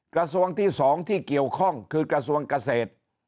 กระทรวงที่๒ที่เกี่ยวข้องคือกระทรวงเกษตร